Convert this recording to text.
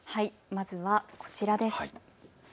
まずは、こちらです。